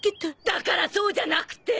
だからそうじゃなくて！